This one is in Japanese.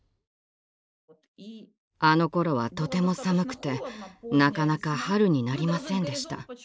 あのころはとても寒くてなかなか春になりませんでした。